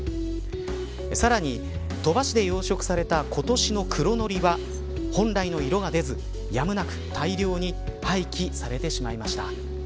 さらに、鳥羽市で養殖された今年の黒ノリは本来の色が出ずやむなく大量に廃棄されてしまいました。